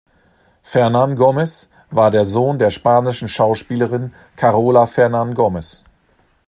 Fernán Gómez war der Sohn der spanischen Schauspielerin Carola Fernán Gómez.